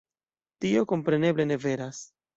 Tio kompreneble ne veras.